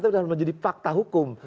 tapi menjadi fakta hukum